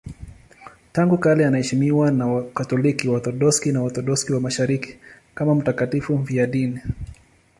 Tangu kale anaheshimiwa na Wakatoliki, Waorthodoksi na Waorthodoksi wa Mashariki kama mtakatifu mfiadini.